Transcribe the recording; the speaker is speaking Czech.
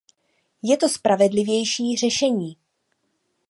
Je to spravedlivější řešení.